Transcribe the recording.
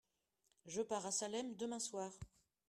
Je pars à Salem demain soir.